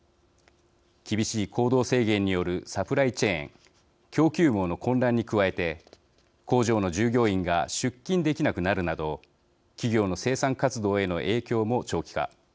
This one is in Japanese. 厳しい行動制限によるサプライチェーン＝供給網の混乱に加えて工場の従業員が出勤できなくなるなど企業の生産活動への影響も長期化。